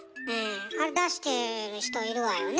あれ出してる人いるわよね。